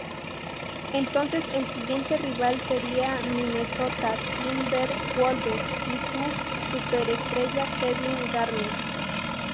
Entonces el siguiente rival sería Minnesota Timberwolves y su superestrella Kevin Garnett.